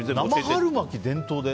生春巻きが伝統で？